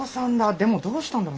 でもどうしたんだろう。